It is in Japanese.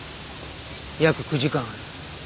約９時間ある。